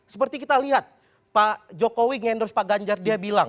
seperti kita lihat pak jokowi ngendorse pak ganjar dia bilang